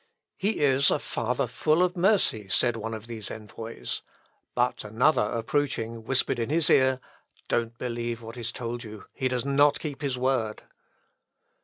"He is a father full of mercy, said one of these envoys; but another approaching, whispered in his ear, "Don't believe what is told you he does not keep his word."